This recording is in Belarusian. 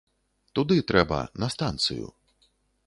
Туды трэба, на станцыю.